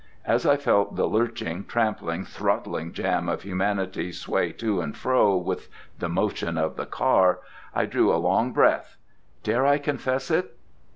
As I felt the lurching, trampling, throttling jam of humanity sway to and fro with the motion of the car, I drew a long breath. Dare I confess it?